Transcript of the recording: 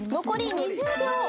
残り２０秒。